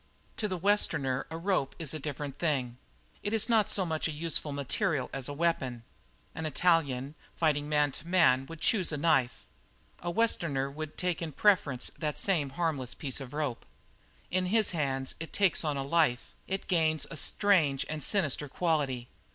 To the Westerner a rope is a different thing. It is not so much a useful material as a weapon. An Italian, fighting man to man, would choose a knife; a Westerner would take in preference that same harmless piece of rope. In his hands it takes on life, it gains a strange and sinister quality.